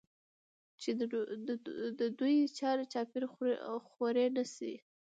چې د دوى چار چاپېر خورې نښي ئې